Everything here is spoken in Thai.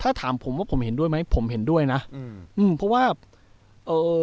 ถ้าถามผมว่าผมเห็นด้วยไหมผมเห็นด้วยนะอืมอืมเพราะว่าเอ่อ